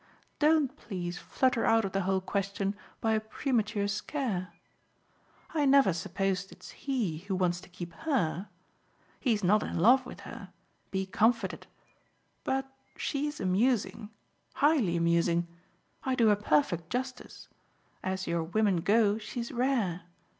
Don't, please, flutter out of the whole question by a premature scare. I never supposed it's he who wants to keep HER. He's not in love with her be comforted! But she's amusing highly amusing. I do her perfect justice. As your women go she's rare.